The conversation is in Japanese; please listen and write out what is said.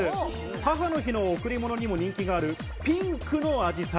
母の日の贈り物にも人気があるピンクの紫陽花。